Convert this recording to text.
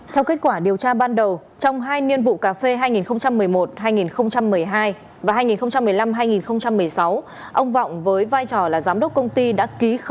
theo kết quả điều tra ban đầu trong hai niên vụ cà phê hai nghìn một mươi một hai nghìn một mươi hai và hai nghìn một mươi năm hai nghìn một mươi sáu ông vọng với vai trò là giám đốc công ty đã ký khống